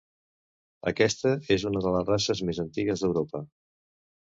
Aquesta és una de les races més antigues d'Europa.